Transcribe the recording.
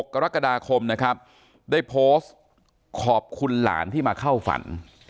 กรกฎาคมนะครับได้โพสต์ขอบคุณหลานที่มาเข้าฝัน